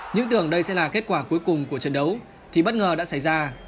những tưởng đây sẽ là kết quả cuối cùng của trận đấu thì bất ngờ đã xảy ra